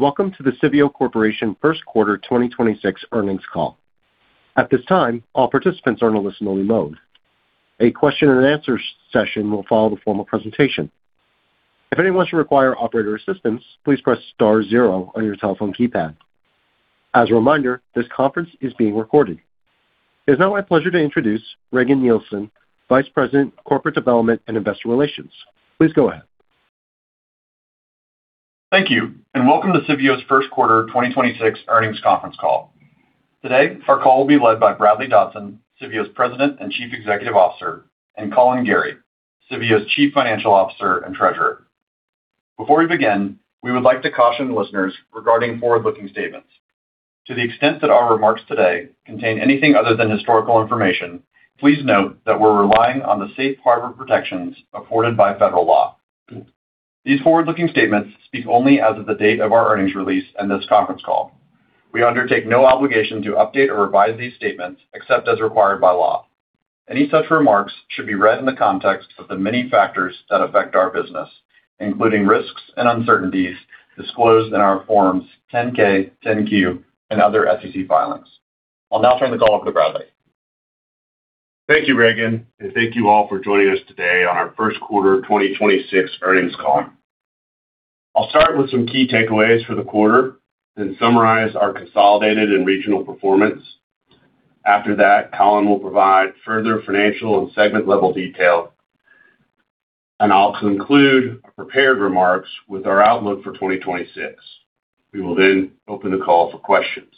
Welcome to the Civeo Corporation First Quarter 2026 Earnings Call. At this time, all participants are in a listen-only mode. A question-and-answer session will follow the formal presentation. If anyone should require operator assistance, please press star zero on your telephone keypad. As a reminder, this conference is being recorded. It's now my pleasure to introduce Regan Nielsen, Vice President of Corporate Development and Investor Relations. Please go ahead. Thank you. Welcome to Civeo's First Quarter 2026 Earnings Conference Call. Today, our call will be led by Bradley Dodson, Civeo's President and Chief Executive Officer, and Collin Gerry, Civeo's Chief Financial Officer and Treasurer. Before we begin, we would like to caution listeners regarding forward-looking statements. To the extent that our remarks today contain anything other than historical information, please note that we're relying on the safe harbor protections afforded by federal law. These forward-looking statements speak only as of the date of our earnings release and this conference call. We undertake no obligation to update or revise these statements except as required by law. Any such remarks should be read in the context of the many factors that affect our business, including risks and uncertainties disclosed in our forms 10-K, 10-Q, and other SEC filings. I'll now turn the call over to Bradley. Thank you, Regan, and thank you all for joining us today on our first quarter 2026 earnings call. I'll start with some key takeaways for the quarter, then summarize our consolidated and regional performance. After that, Collin will provide further financial and segment-level detail. I'll conclude our prepared remarks with our outlook for 2026. We will then open the call for questions.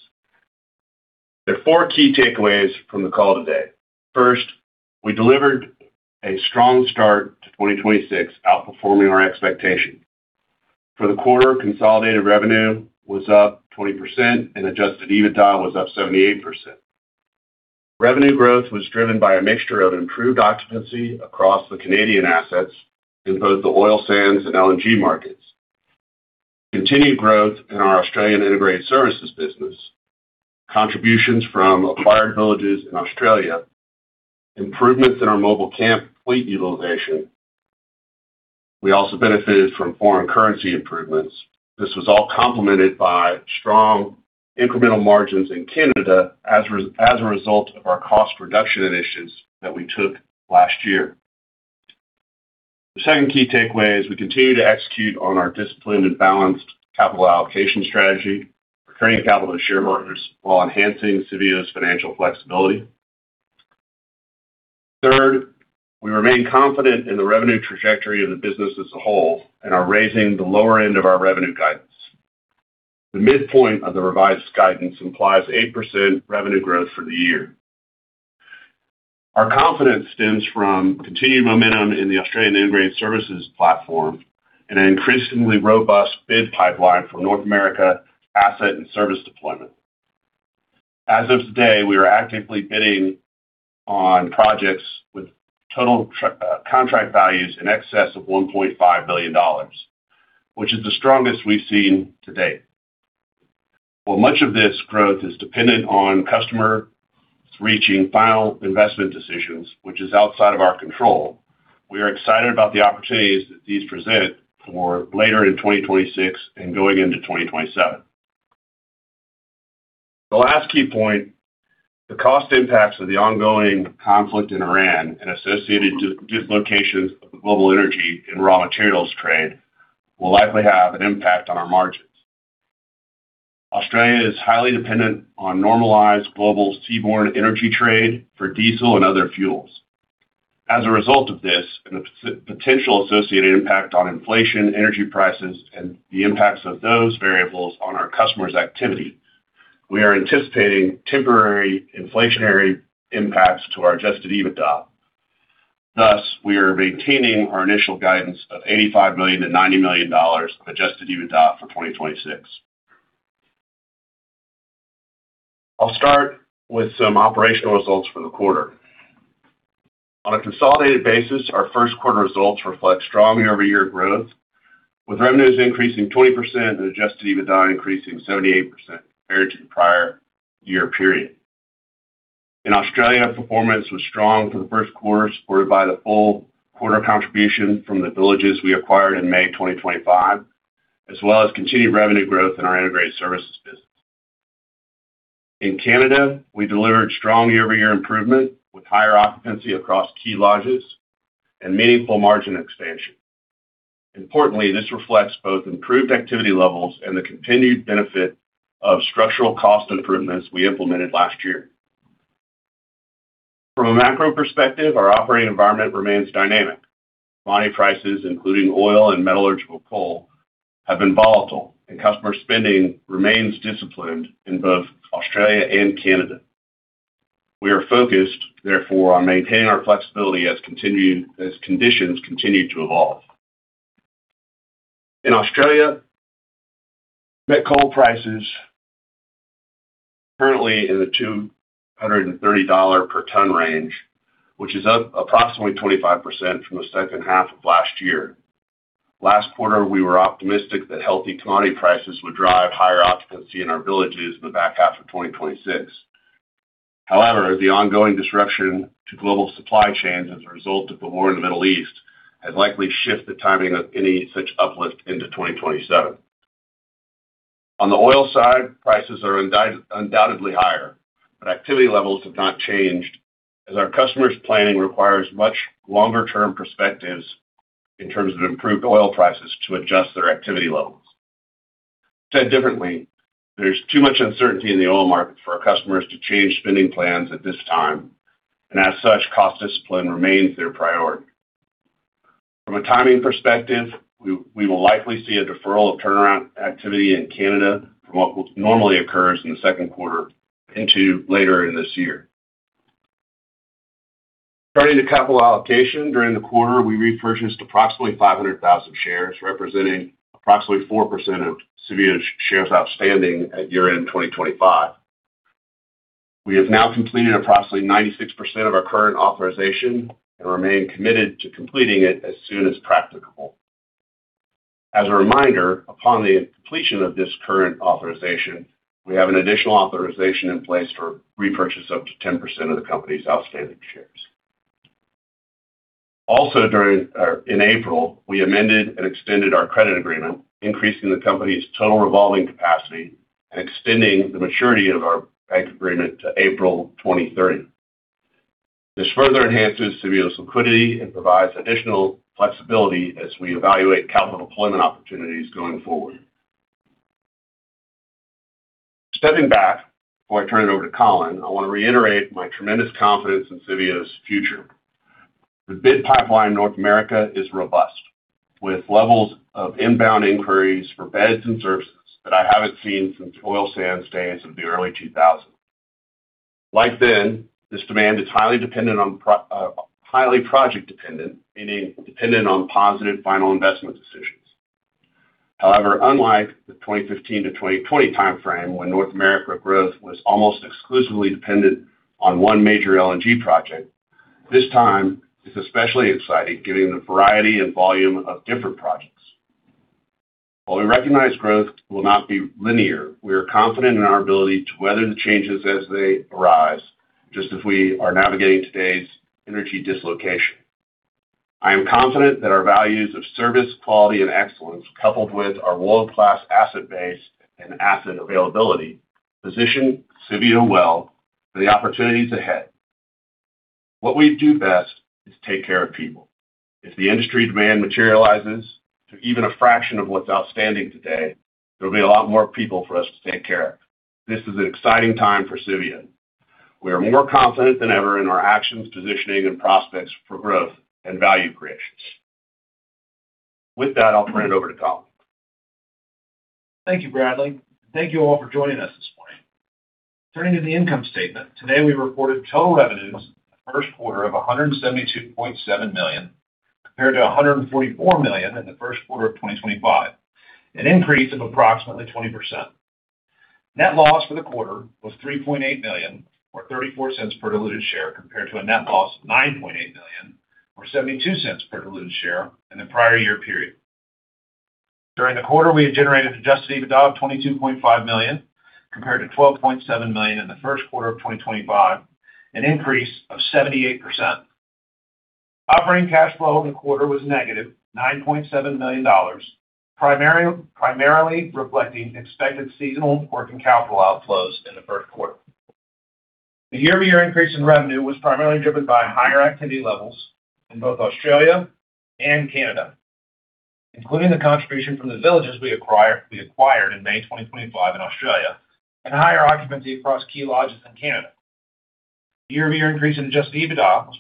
There are four key takeaways from the call today. First, we delivered a strong start to 2026, outperforming our expectation. For the quarter, consolidated revenue was up 20% and Adjusted EBITDA was up 78%. Revenue growth was driven by a mixture of improved occupancy across the Canadian assets in both the oil sands and LNG markets, continued growth in our Australian integrated services business, contributions from acquired villages in Australia, improvements in our mobile camp fleet utilization. We also benefited from foreign currency improvements. This was all complemented by strong incremental margins in Canada as a result of our cost reduction initiatives that we took last year. The second key takeaway is we continue to execute on our disciplined and balanced capital allocation strategy, returning capital to shareholders while enhancing Civeo's financial flexibility. Third, we remain confident in the revenue trajectory of the business as a whole and are raising the lower end of our revenue guidance. The mid-point of the revised guidance implies 8% revenue growth for the year. Our confidence stems from continued momentum in the Australian integrated services platform and an increasingly robust bid pipeline for North America asset and service deployment. As of today, we are actively bidding on projects with total contract values in excess of $1.5 billion, which is the strongest we've seen to date. While much of this growth is dependent on customers reaching Final Investment Decisions, which is outside of our control, we are excited about the opportunities that these present for later in 2026 and going into 2027. The last key point, the cost impacts of the ongoing conflict in Iran and associated dislocations of the global energy and raw materials trade will likely have an impact on our margins. Australia is highly dependent on normalized global seaborne energy trade for diesel and other fuels. As a result of this and the potential associated impact on inflation, energy prices, and the impacts of those variables on our customers' activity, we are anticipating temporary inflationary impacts to our Adjusted EBITDA. Thus, we are maintaining our initial guidance of $85 million-$90 million of Adjusted EBITDA for 2026. I'll start with some operational results for the quarter. On a consolidated basis, our first quarter results reflect strong year-over-year growth, with revenues increasing 20% and Adjusted EBITDA increasing 78% compared to the prior year period. In Australia, performance was strong for the first quarter, supported by the full quarter contribution from the villages we acquired in May 2025, as well as continued revenue growth in our integrated services business. In Canada, we delivered strong year-over-year improvement, with higher occupancy across key lodges and meaningful margin expansion. Importantly, this reflects both improved activity levels and the continued benefit of structural cost improvements we implemented last year. From a macro perspective, our operating environment remains dynamic. Commodity prices, including oil and metallurgical coal, have been volatile and customer spending remains disciplined in both Australia and Canada. We are focused, therefore, on maintaining our flexibility as conditions continue to evolve. In Australia, met coal prices currently in the $230 per ton range, which is up approximately 25% from the second half of last year. Last quarter, we were optimistic that healthy commodity prices would drive higher occupancy in our villages in the back half of 2026. However, the ongoing disruption to global supply chains as a result of the war in the Middle East has likely shift the timing of any such uplift into 2027. On the oil side, prices are undoubtedly higher, but activity levels have not changed as our customers' planning requires much longer-term perspectives in terms of improved oil prices to adjust their activity levels. Said differently, there's too much uncertainty in the oil market for our customers to change spending plans at this time, and as such, cost discipline remains their priority. From a timing perspective, we will likely see a deferral of turnaround activity in Canada from what normally occurs in the second quarter into later in this year. Turning to capital allocation, during the quarter, we repurchased approximately 500,000 shares, representing approximately 4% of Civeo's shares outstanding at year-end 2025. We have now completed approximately 96% of our current authorization and remain committed to completing it as soon as practicable. As a reminder, upon the completion of this current authorization, we have an additional authorization in place for repurchase up to 10% of the company's outstanding shares. In April, we amended and extended our credit agreement, increasing the company's total revolving capacity and extending the maturity of our bank agreement to April 2030. This further enhances Civeo's liquidity and provides additional flexibility as we evaluate capital deployment opportunities going forward. Stepping back, before I turn it over to Collin, I want to reiterate my tremendous confidence in Civeo's future. The bid pipeline in North America is robust, with levels of inbound inquiries for beds and services that I haven't seen since oil sands days of the early 2000. Like then, this demand is highly dependent on highly project dependent, meaning dependent on positive final investment decisions. However, unlike the 2015-2020 timeframe, when North America growth was almost exclusively dependent on one major LNG project, this time is especially exciting given the variety and volume of different projects. While we recognize growth will not be linear, we are confident in our ability to weather the changes as they arise, just as we are navigating today's energy dislocation. I am confident that our values of service, quality, and excellence, coupled with our world-class asset base and asset availability, position Civeo well for the opportunities ahead. What we do best is take care of people. If the industry demand materializes to even a fraction of what's outstanding today, there will be a lot more people for us to take care of. This is an exciting time for Civeo. We are more confident than ever in our actions, positioning, and prospects for growth and value creations. With that, I'll turn it over to Collin. Thank you, Bradley. Thank you all for joining us this morning. Turning to the income statement. Today, we reported total revenues in the first quarter of $172.7 million, compared to $144 million in the first quarter of 2025, an increase of approximately 20%. Net loss for the quarter was $3.8 million or $0.34 per diluted share, compared to a net loss of $9.8 million or $0.72 per diluted share in the prior year period. During the quarter, we had generated Adjusted EBITDA of $22.5 million, compared to $12.7 million in the first quarter of 2025, an increase of 78%. Operating cash flow in the quarter was -$9.7 million, primarily reflecting expected seasonal working capital outflows in the first quarter. The year-over-year increase in revenue was primarily driven by higher activity levels in both Australia and Canada, including the contribution from the villages we acquired in May 2025 in Australia and higher occupancy across key lodges in Canada. Year-over-year increase in Adjusted EBITDA was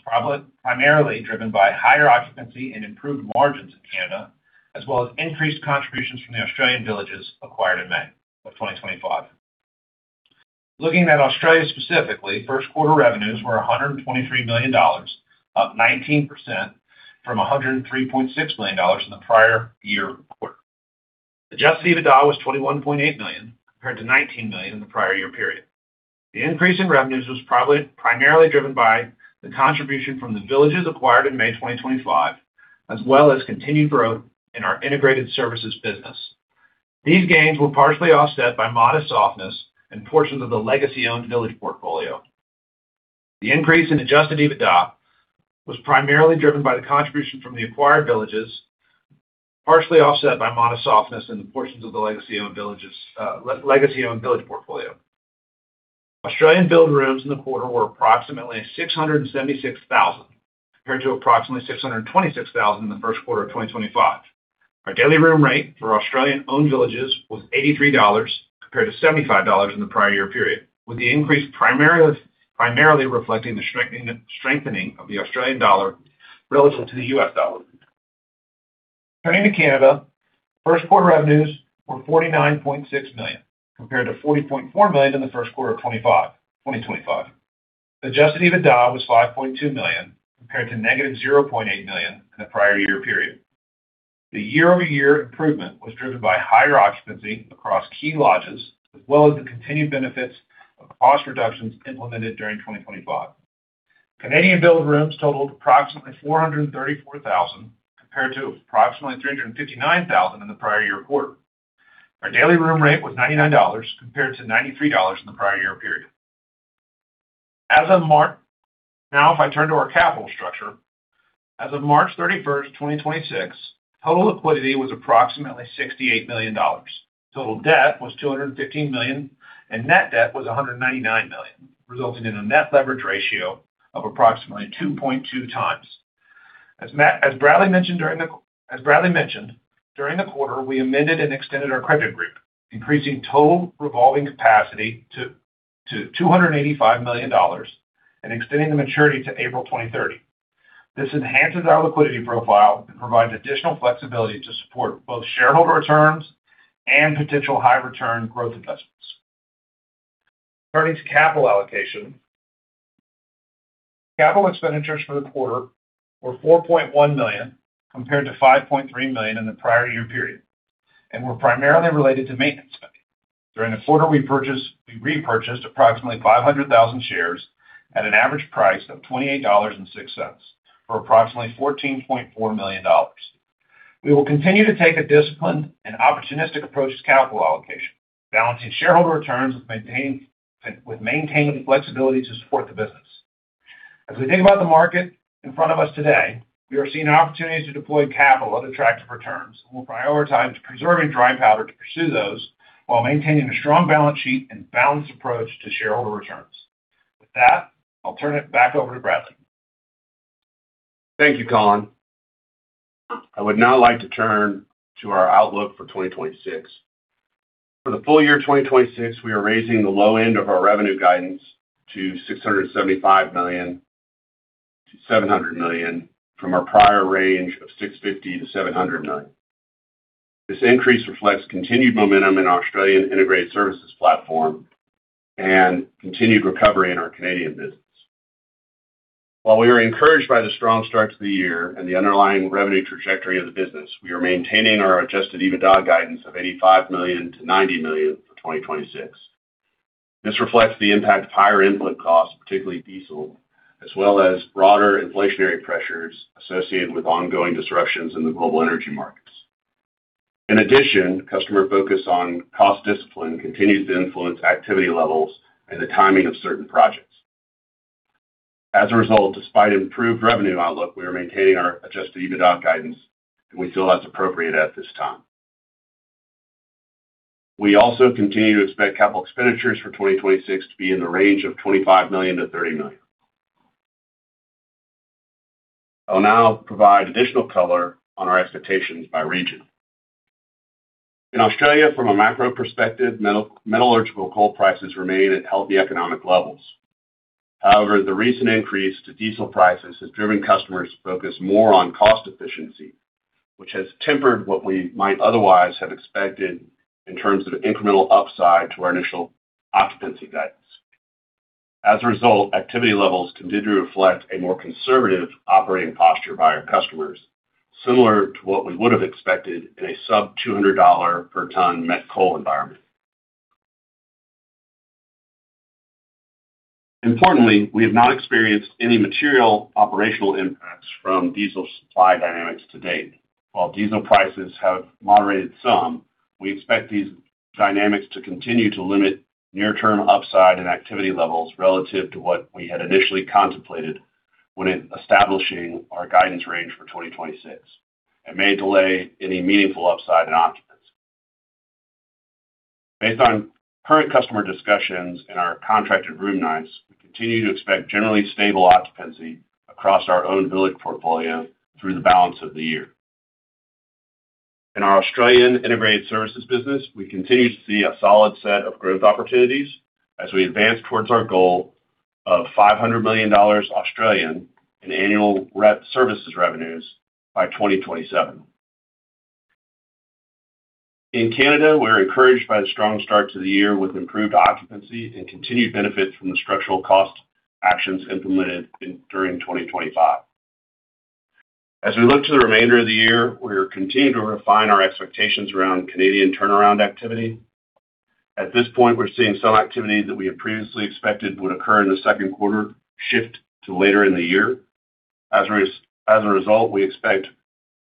primarily driven by higher occupancy and improved margins in Canada, as well as increased contributions from the Australian villages acquired in May of 2025. Looking at Australia specifically, first quarter revenues were $123 million, up 19% from $103.6 million in the prior year quarter. Adjusted EBITDA was $21.8 million, compared to $19 million in the prior year period. The increase in revenues was primarily driven by the contribution from the villages acquired in May 2025, as well as continued growth in our integrated services business. These gains were partially offset by modest softness in portions of the legacy-owned village portfolio. The increase in Adjusted EBITDA was primarily driven by the contribution from the acquired villages, partially offset by modest softness in the portions of the legacy-owned village portfolio. Australian billed rooms in the quarter were approximately 676,000, compared to approximately 626,000 in the first quarter of 2025. Our daily room rate for Australian-owned villages was 83 dollars compared to 75 dollars in the prior year period, with the increase primarily reflecting the strengthening of the Australian dollar relative to the U.S. dollar. Turning to Canada, first quarter revenues were $49.6 million, compared to $40.4 million in the first quarter of 2025. Adjusted EBITDA was $5.2 million, compared to -$0.8 million in the prior year period. The year-over-year improvement was driven by higher occupancy across key lodges, as well as the continued benefits of cost reductions implemented during 2025. Canadian billed rooms totaled approximately 434,000, compared to approximately 359,000 in the prior year quarter. Our daily room rate was $99 compared to $93 in the prior year period. Now, if I turn to our capital structure. As of March 31st, 2026, total liquidity was approximately $68 million. Total debt was $215 million, and net debt was $199 million, resulting in a net leverage ratio of approximately 2.2x. As Bradley mentioned, during the quarter, we amended and extended our credit agreement, increasing total revolving capacity to $285 million and extending the maturity to April 2030. This enhances our liquidity profile and provides additional flexibility to support both shareholder returns and potential high return growth investments. Turning to capital allocation. Capital expenditures for the quarter were $4.1 million compared to $5.3 million in the prior year period, and were primarily related to maintenance spending. During the quarter we repurchased approximately 500,000 shares at an average price of $28.06, for approximately $14.4 million. We will continue to take a disciplined and opportunistic approach to capital allocation, balancing shareholder returns with maintaining the flexibility to support the business. As we think about the market in front of us today, we are seeing opportunities to deploy capital at attractive returns, and we'll prioritize preserving dry powder to pursue those while maintaining a strong balance sheet and balanced approach to shareholder returns. With that, I'll turn it back over to Bradley. Thank you, Collin. I would now like to turn to our outlook for 2026. For the full-year 2026, we are raising the low end of our revenue guidance to $675 million-$700 million from our prior range of $650 million-$700 million. This increase reflects continued momentum in our Australian integrated services platform and continued recovery in our Canadian business. While we are encouraged by the strong start to the year and the underlying revenue trajectory of the business, we are maintaining our Adjusted EBITDA guidance of $85 million-$90 million for 2026. This reflects the impact of higher input costs, particularly diesel, as well as broader inflationary pressures associated with ongoing disruptions in the global energy markets. In addition, customer focus on cost discipline continues to influence activity levels and the timing of certain projects. Despite improved revenue outlook, we are maintaining our Adjusted EBITDA guidance, and we feel that's appropriate at this time. We also continue to expect capital expenditures for 2026 to be in the range of $25 million-$30 million. I'll now provide additional color on our expectations by region. In Australia, from a macro perspective, metallurgical coal prices remain at healthy economic levels. The recent increase to diesel prices has driven customers to focus more on cost efficiency, which has tempered what we might otherwise have expected in terms of incremental upside to our initial occupancy guidance. Activity levels continue to reflect a more conservative operating posture by our customers, similar to what we would have expected in a sub $200 per ton met coal environment. Importantly, we have not experienced any material operational impacts from diesel supply dynamics to date. While diesel prices have moderated some, we expect these dynamics to continue to limit near term upside and activity levels relative to what we had initially contemplated when establishing our guidance range for 2026, and may delay any meaningful upside in occupancy. Based on current customer discussions and our contracted room nights, we continue to expect generally stable occupancy across our own village portfolio through the balance of the year. In our Australian integrated services business, we continue to see a solid set of growth opportunities as we advance towards our goal of 500 million Australian dollars in annual services revenues by 2027. In Canada, we're encouraged by the strong start to the year with improved occupancy and continued benefit from the structural cost actions implemented during 2025. As we look to the remainder of the year, we are continuing to refine our expectations around Canadian turnaround activity. At this point, we're seeing some activity that we had previously expected would occur in the second quarter shift to later in the year. As a result, we expect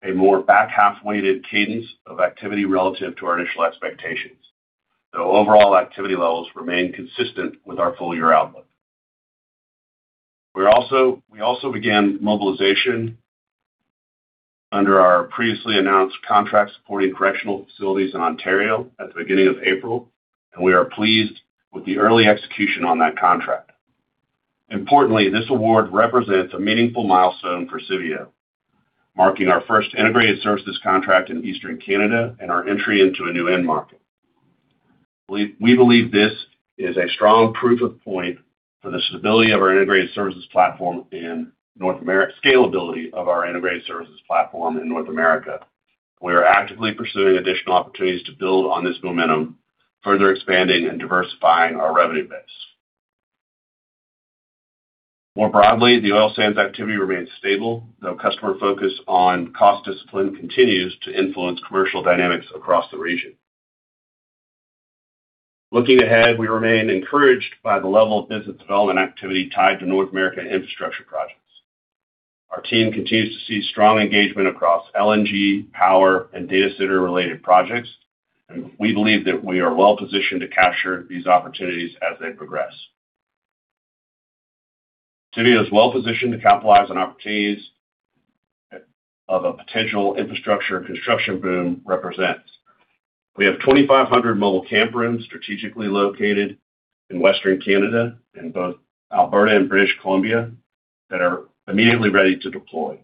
a more back half-weighted cadence of activity relative to our initial expectations. The overall activity levels remain consistent with our full-year outlook. We also began mobilization under our previously announced contract supporting correctional facilities in Ontario at the beginning of April, and we are pleased with the early execution on that contract. Importantly, this award represents a meaningful milestone for Civeo, marking our first integrated services contract in Eastern Canada and our entry into a new end market. We believe this is a strong proof of point for the scalability of our integrated services platform in North America. We are actively pursuing additional opportunities to build on this momentum, further expanding and diversifying our revenue base. More broadly, the oil sands activity remains stable, though customer focus on cost discipline continues to influence commercial dynamics across the region. Looking ahead, we remain encouraged by the level of business development activity tied to North American infrastructure projects. Our team continues to see strong engagement across LNG, power, and data center-related projects, and we believe that we are well-positioned to capture these opportunities as they progress. Civeo is well-positioned to capitalize on opportunities of a potential infrastructure construction boom represents. We have 2,500 mobile camp rooms strategically located in Western Canada, in both Alberta and British Columbia, that are immediately ready to deploy.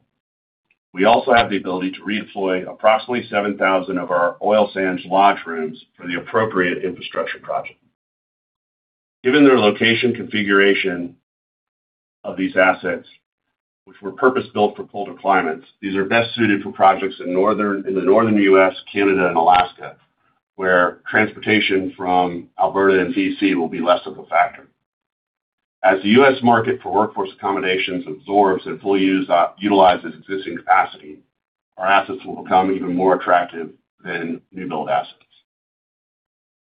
We also have the ability to redeploy approximately 7,000 of our oil sands lodge rooms for the appropriate infrastructure project. Given their location configuration of these assets, which were purpose-built for colder climates, these are best suited for projects in the Northern U.S., Canada, and Alaska, where transportation from Alberta and BC will be less of a factor. As the U.S. market for workforce accommodations absorbs and fully utilizes existing capacity, our assets will become even more attractive than new build assets.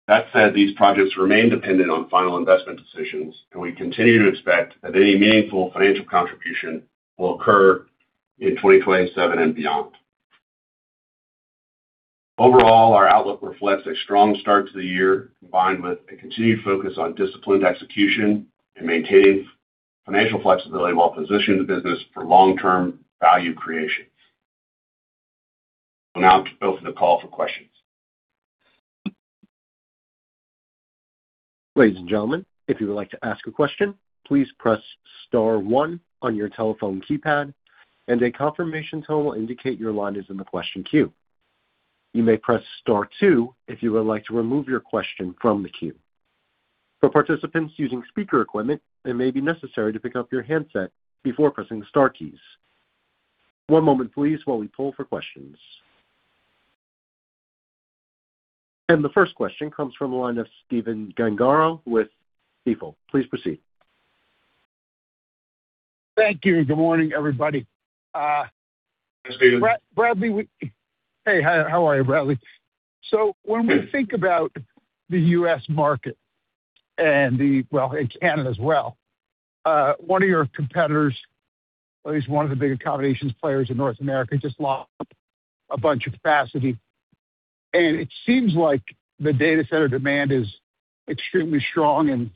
That said, these projects remain dependent on final investment decisions, and we continue to expect that any meaningful financial contribution will occur in 2027 and beyond. Overall, our outlook reflects a strong start to the year, combined with a continued focus on disciplined execution and maintaining financial flexibility while positioning the business for long-term value creation. We'll now open the call for questions. Ladies and gentlemen, if you would like to ask a question please press star one on your telephone keypad, and the confirmation tone indicate your line is in the question queue, you may press star two if you would like to remove your question from the queue. For participants using speaker equipment, it may be necessary to pick up your handset before pressing star keys. One moment please while we pull for questions. The first question comes from the line of Stephen Gengaro with Stifel. Please proceed. Thank you. Good morning, everybody. Hey, Stephen. Bradley. Hey, hi. How are you, Bradley? When we think about the U.S. market and the well, and Canada as well, one of your competitors, at least one of the big accommodations players in North America, just lost a bunch of capacity. It seems like the data center demand is extremely strong and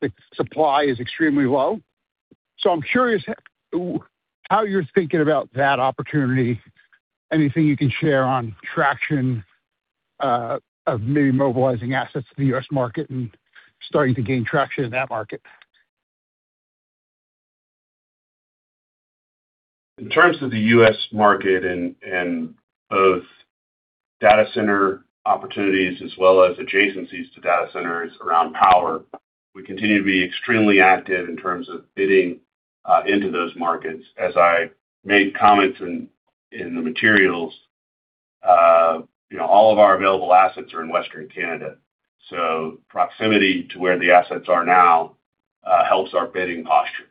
the supply is extremely low. I'm curious how you're thinking about that opportunity. Anything you can share on traction of maybe mobilizing assets to the U.S. market and starting to gain traction in that market? In terms of the U.S. market and both data center opportunities as well as adjacencies to data centers around power, we continue to be extremely active in terms of bidding into those markets. As I made comments in the materials, you know, all of our available assets are in Western Canada. Proximity to where the assets are now helps our bidding posture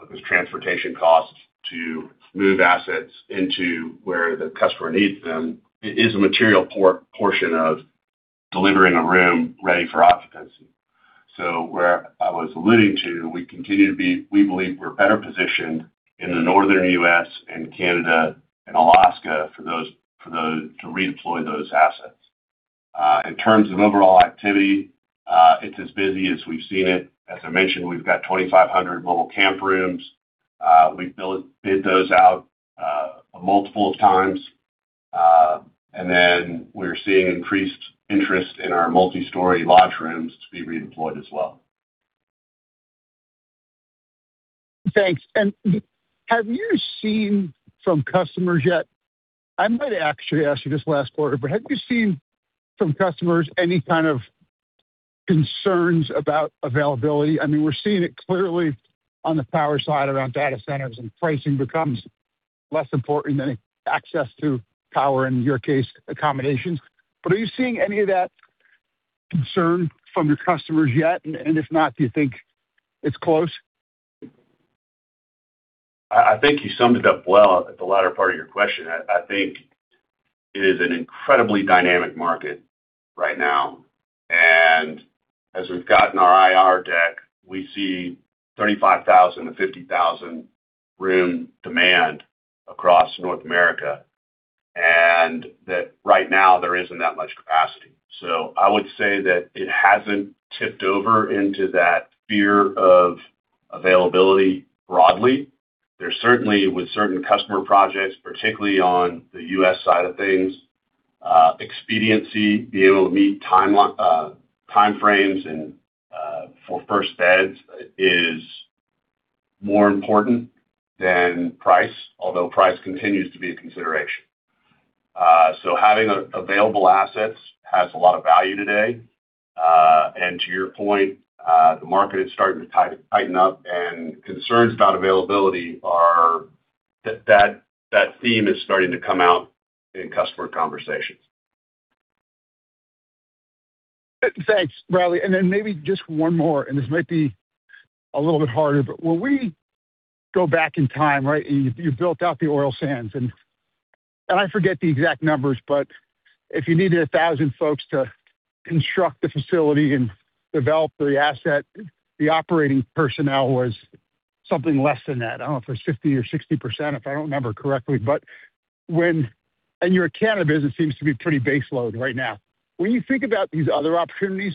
because transportation costs to move assets into where the customer needs them is a material portion of delivering a room ready for occupancy. Where I was alluding to, we believe we're better positioned in the Northern U.S. and Canada and Alaska for those to redeploy those assets. In terms of overall activity, it's as busy as we've seen it. As I mentioned, we've got 2,500 mobile camp rooms. We've bid those out a multiple of times. We're seeing increased interest in our multi-story lodge rooms to be redeployed as well. Thanks. Have you seen from customers yet? I might actually ask you this last quarter, but have you seen from customers any kind of concerns about availability? I mean, we're seeing it clearly on the power side around data centers and pricing becomes less important than access to power, in your case, accommodations. Are you seeing any of that concern from your customers yet? If not, do you think it's close? I think you summed it up well at the latter part of your question. I think it is an incredibly dynamic market right now. As we've got in our IR deck, we see 35,000 to 50,000 room demand across North America, and that right now there isn't that much capacity. I would say that it hasn't tipped over into that fear of availability broadly. There's certainly with certain customer projects, particularly on the U.S. side of things, expediency, being able to meet timeline, time frames and for first beds is more important than price, although price continues to be a consideration. Having available assets has a lot of value today. To your point, the market is starting to tighten up and concerns about availability are that theme is starting to come out in customer conversations. Thanks, Bradley. Then maybe just one more, and this might be a little bit harder, but when we go back in time, right, and you built out the oil sands, I forget the exact numbers, but if you needed 1,000 folks to construct the facility and develop the asset, the operating personnel was something less than that. I don't know if it was 50% or 60%, if I don't remember correctly. When your Canada business seems to be pretty base load right now. When you think about these other opportunities,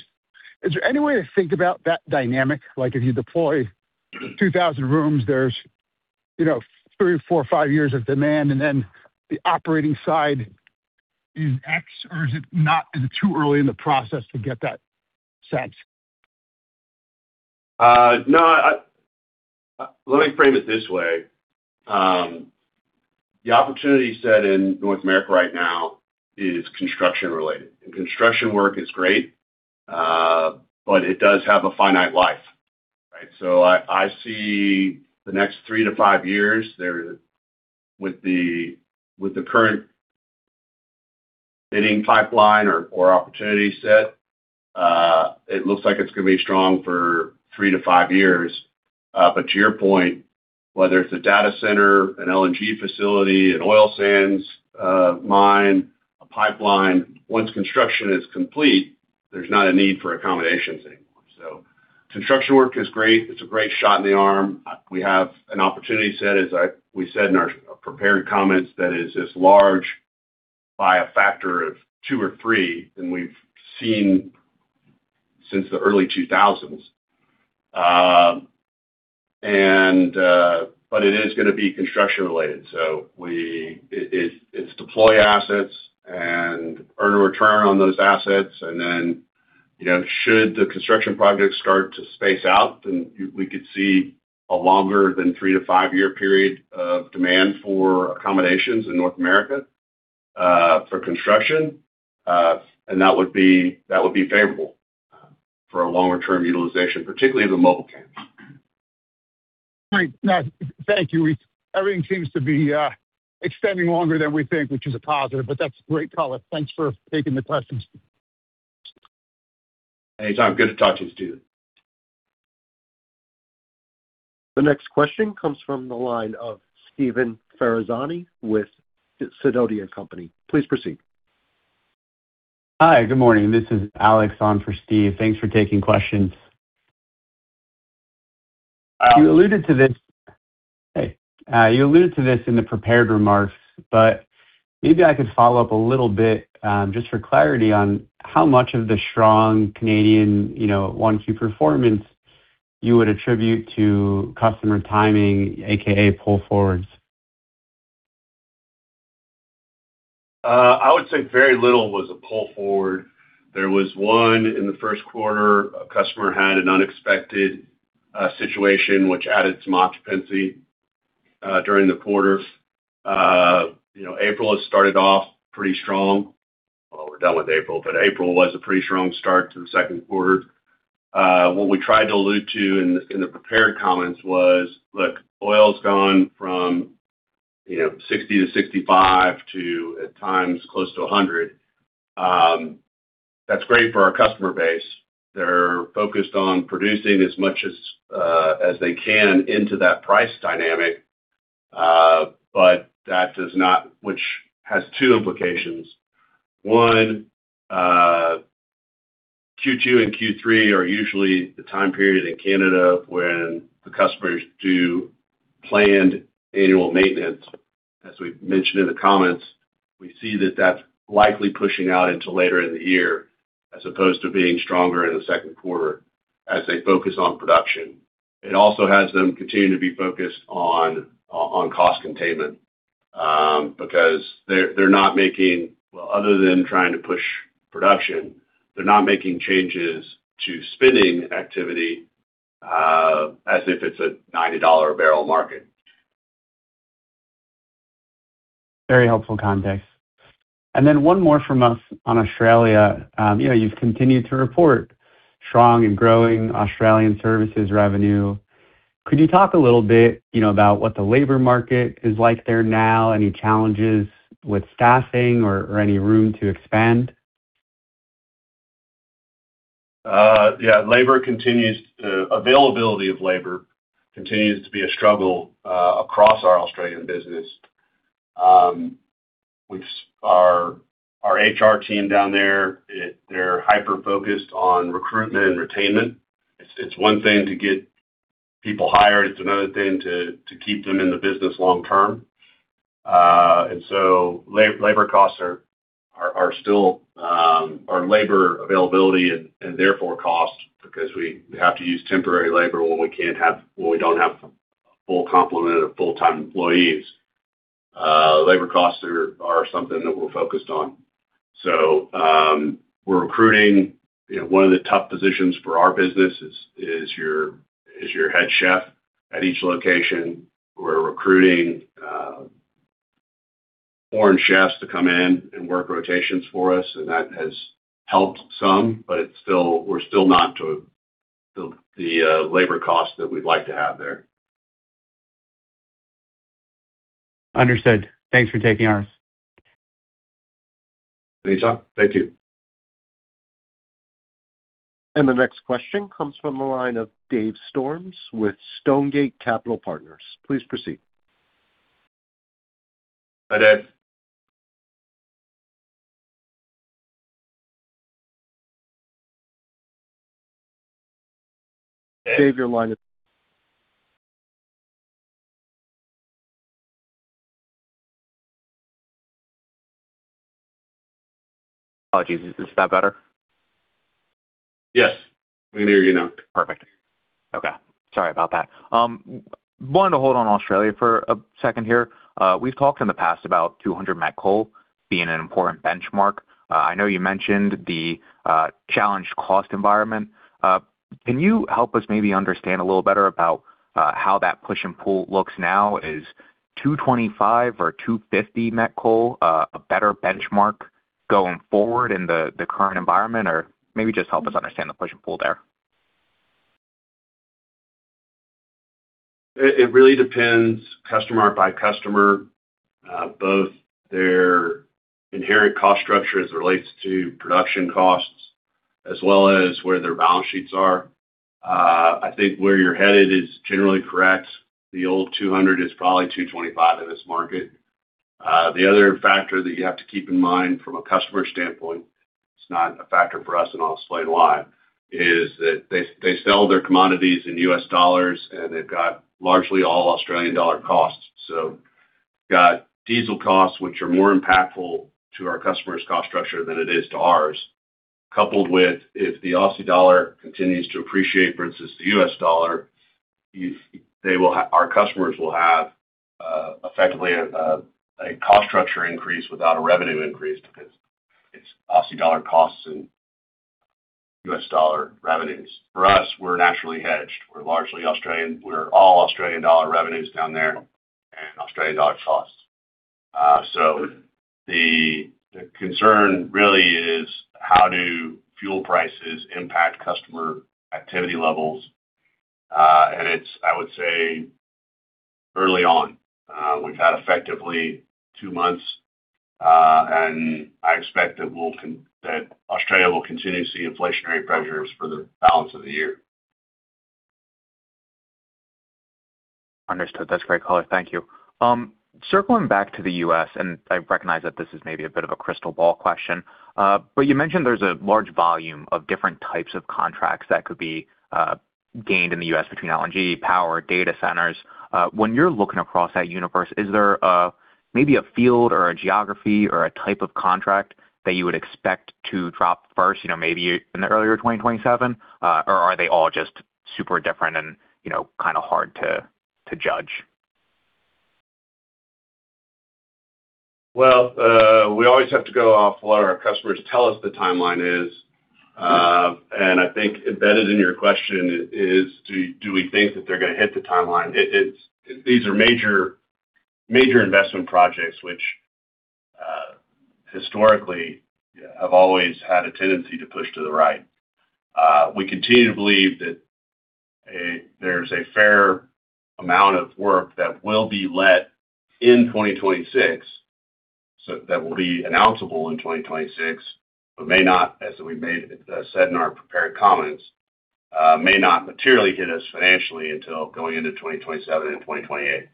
is there any way to think about that dynamic? Like, if you deploy 2,000 rooms, there's, you know, three, four, five years of demand, and then the operating side is X? Is it too early in the process to get that sense? No. Let me frame it this way. The opportunity set in North America right now is construction-related, and construction work is great, but it does have a finite life, right? I see the next three to five years there. With the current bidding pipeline or opportunity set, it looks like it's going to be strong for three to five years. To your point, whether it's a data center, an LNG facility, an oil sands mine, a pipeline, once construction is complete, there's not a need for accommodations anymore. Construction work is great. It's a great shot in the arm. We have an opportunity set, as we said in our prepared comments, that is as large by a factor of two or three than we've seen since the early 2000s. It is gonna be construction related, so it's deploy assets and earn a return on those assets. Then, you know, should the construction projects start to space out, then we could see a longer than three to five-year period of demand for accommodations in North America for construction. That would be favorable for a longer-term utilization, particularly the mobile camps. Great. Thank you. Everything seems to be extending longer than we think, which is a positive. That's great color. Thanks for taking the questions. Anytime. Good to talk to you, Stephen. The next question comes from the line of Steve Ferazani with Sidoti & Company. Please proceed. Hi, good morning. This is Alex on for Steve. Thanks for taking questions. Hi. Hey. You alluded to this in the prepared remarks, but maybe I could follow up a little bit, just for clarity on how much of the strong Canadian, you know, one, two performance you would attribute to customer timing, AKA pull forwards. I would say very little was a pull forward. There was one in the first quarter. A customer had an unexpected situation which added some occupancy during the quarter. You know, April has started off pretty strong. Well, we're done with April, but April was a pretty strong start to the second quarter. What we tried to allude to in the prepared comments was, look, oil's gone from, you know, $60 to $65 to at times close to $100. That's great for our customer base. They're focused on producing as much as they can into that price dynamic. Which has two implications. One, Q2 and Q3 are usually the time period in Canada when the customers do planned annual maintenance. As we've mentioned in the comments, we see that that's likely pushing out into later in the year, as opposed to being stronger in the second quarter as they focus on production. It also has them continue to be focused on cost containment because other than trying to push production, they're not making changes to spending activity as if it's a $90 a barrel market. Very helpful context. Then one more from us on Australia. You know, you've continued to report strong and growing Australian services revenue. Could you talk a little bit, you know, about what the labor market is like there now? Any challenges with staffing or any room to expand? Yeah. Labor availability continues to be a struggle across our Australian business. Which our HR team down there, they're hyper-focused on recruitment and retainment. It's one thing to get people hired, it's another thing to keep them in the business long-term. Labor costs are still. Our labor availability and therefore cost because we have to use temporary labor when we don't have a full complement of full-time employees. Labor costs are something that we're focused on. We're recruiting. You know, one of the tough positions for our business is your head chef at each location. We're recruiting foreign chefs to come in and work rotations for us, and that has helped some, but we're still not to the labor cost that we'd like to have there. Understood. Thanks for taking ours. Any time. Thank you. The next question comes from the line of Dave Storms with Stonegate Capital Partners. Please proceed. Hi, Dave. Oh, geez. Is that better? Yes. We can hear you now. Perfect. Okay. Sorry about that. Wanted to hold on Australia for a second here. We've talked in the past about 200 met coal being an important benchmark. I know you mentioned the challenged cost environment. Can you help us maybe understand a little better about how that push and pull looks now? Is 225 or 250 met coal a better benchmark going forward in the current environment? Maybe just help us understand the push and pull there. It really depends customer by customer, both their inherent cost structure as it relates to production costs as well as where their balance sheets are. I think where you're headed is generally correct. The old $200 is probably $225 in this market. The other factor that you have to keep in mind from a customer standpoint, it's not a factor for us, and I'll explain why, is that they sell their commodities in US dollars, and they've got largely all Australian dollar costs. Got diesel costs, which are more impactful to our customers' cost structure than it is to ours, coupled with if the Aussie dollar continues to appreciate versus the US dollar, our customers will have effectively a cost structure increase without a revenue increase because it's Aussie dollar costs and US dollar revenues. For us, we're naturally hedged. We're largely Australian. We're all Australian dollar revenues down there and Australian dollar costs. The concern really is how do fuel prices impact customer activity levels? It's, I would say, early on. We've had effectively two months, and I expect that Australia will continue to see inflationary pressures for the balance of the year. Understood. That's great color. Thank you. Circling back to the U.S., and I recognize that this is maybe a bit of a crystal ball question, but you mentioned there's a large volume of different types of contracts that could be gained in the U.S. between LNG, power, data centers. When you're looking across that universe, is there maybe a field or a geography or a type of contract that you would expect to drop first, you know, maybe in the earlier 2027? Or are they all just super different and, you know, kind of hard to judge? We always have to go off what our customers tell us the timeline is. I think embedded in your question is do we think that they're gonna hit the timeline? These are major investment projects which historically have always had a tendency to push to the right. We continue to believe that there's a fair amount of work that will be let in 2026, so that will be announceable in 2026, but may not, as we said in our prepared comments, may not materially hit us financially until going into 2027 and 2028.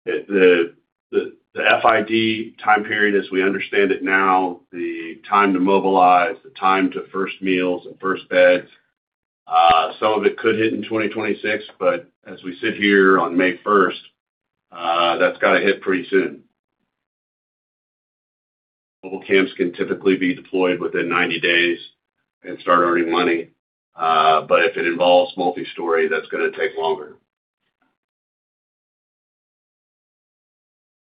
The, the FID time period, as we understand it now, the time to mobilize, the time to first meals and first beds, some of it could hit in 2026, but as we sit here on May first, that's gotta hit pretty soon. Mobile camps can typically be deployed within 90 days and start earning money, but if it involves multi-story, that's gonna take longer.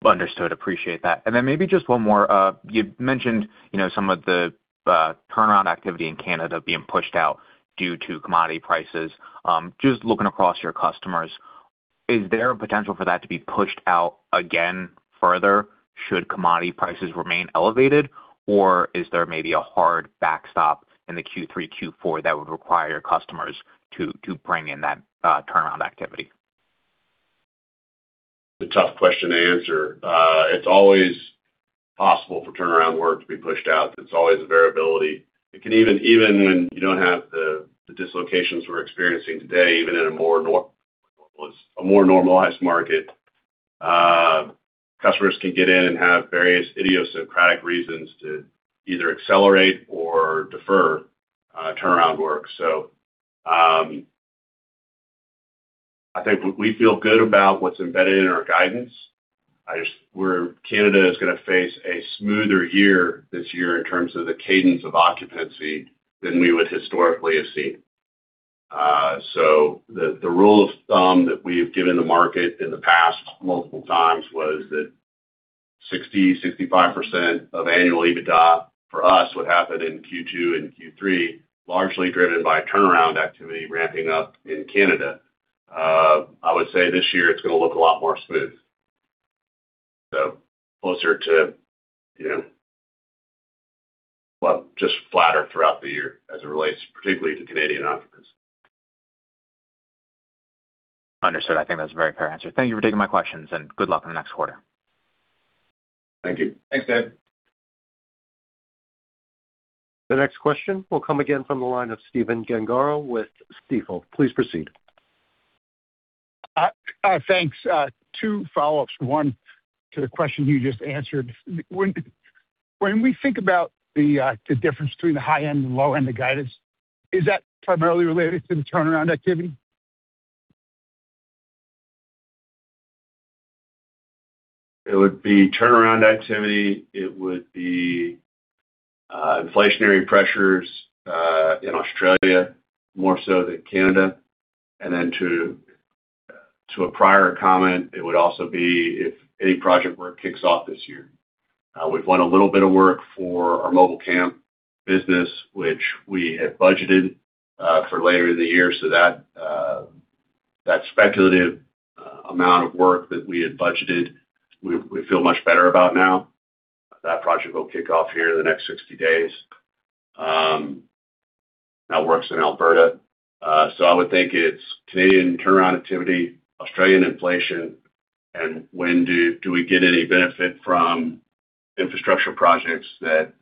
Understood. Appreciate that. Maybe just one more. You mentioned, you know, some of the turnaround activity in Canada being pushed out due to commodity prices. Just looking across your customers, is there a potential for that to be pushed out again further should commodity prices remain elevated? Or is there maybe a hard backstop in the Q3, Q4 that would require customers to bring in that turnaround activity? It's a tough question to answer. It's always possible for turnaround work to be pushed out. It's always a variability. Even when you don't have the dislocations we're experiencing today, even in a more normalized market, customers can get in and have various idiosyncratic reasons to either accelerate or defer turnaround work. I think we feel good about what's embedded in our guidance. Canada is going to face a smoother year this year in terms of the cadence of occupancy than we would historically have seen. The rule of thumb that we've given the market in the past multiple times was that 60%, 65% of annual EBITDA for us would happen in Q2 and Q3, largely driven by turnaround activity ramping up in Canada. I would say this year it's gonna look a lot more smooth. Closer to, you know, well, just flatter throughout the year as it relates particularly to Canadian occupancy. Understood. I think that's a very fair answer. Thank you for taking my questions, and good luck on the next quarter. Thank you. Thanks, Dave. The next question will come again from the line of Stephen Gengaro with Stifel. Please proceed. Thanks. Two follow-ups. One to the question you just answered. When we think about the difference between the high end and low end of guidance, is that primarily related to the turnaround activity? It would be turnaround activity. It would be inflationary pressures in Australia more so than Canada. To a prior comment, it would also be if any project work kicks off this year. We've won a little bit of work for our mobile camp business, which we had budgeted for later in the year. That speculative amount of work that we had budgeted, we feel much better about now. That project will kick off here in the next 60 days. That work's in Alberta. I would think it's Canadian turnaround activity, Australian inflation, and when do we get any benefit from infrastructure projects that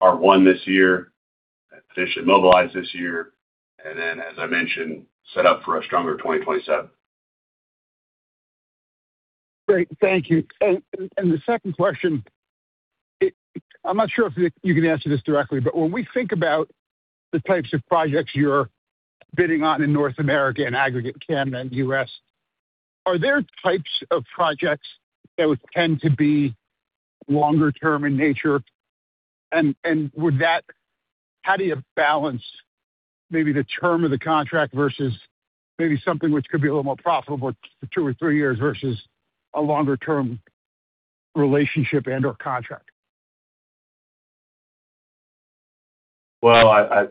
are won this year, potentially mobilize this year. As I mentioned, set up for a stronger 2027. Great. Thank you. The second question, I'm not sure if you can answer this directly, but when we think about the types of projects you're bidding on in North America, in aggregate Canada and U.S., are there types of projects that would tend to be longer-term in nature? How do you balance maybe the term of the contract versus maybe something which could be a little more profitable for two or three years versus a longer term relationship and/or contract? Well,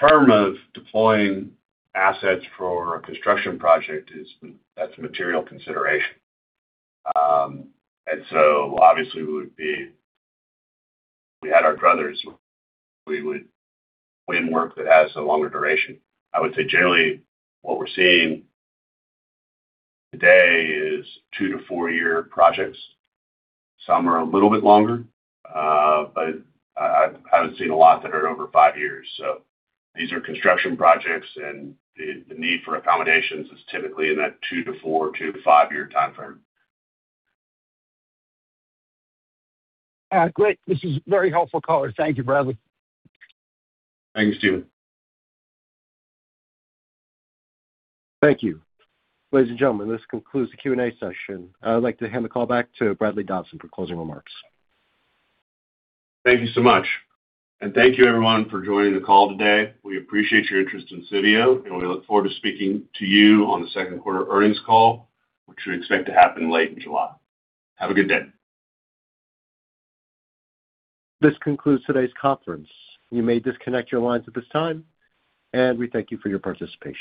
the term of deploying assets for a construction project is, that's a material consideration. Obviously, if we had our druthers, we would win work that has a longer duration. I would say generally what we're seeing today is two to four-year projects. Some are a little bit longer, I haven't seen a lot that are over five years. These are construction projects, and the need for accommodations is typically in that two to four to five-year timeframe. Great. This is a very helpful call. Thank you, Bradley. Thanks, Stephen. Thank you. Ladies and gentlemen, this concludes the Q&A session. I'd like to hand the call back to Bradley Dodson for closing remarks. Thank you so much. Thank you everyone for joining the call today. We appreciate your interest in Civeo, and we look forward to speaking to you on the second quarter earnings call, which we expect to happen late in July. Have a good day. This concludes today's conference. You may disconnect your lines at this time, and we thank you for your participation.